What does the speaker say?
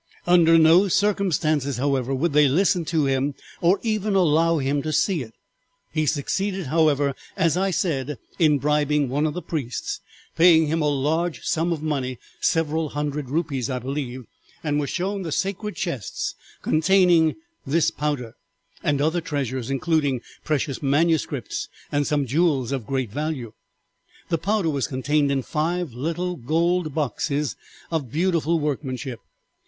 Under no circumstances, however, would they listen to him or even allow him to see it. He succeeded, however, as I said, in bribing one of the priests, paying him a large sum of money, several hundred rupees, I believe, and was shown the sacred chests containing this powder, and other treasures, including precious manuscripts and some jewels of great value. The powder was contained in five little gold boxes, of beautiful workmanship.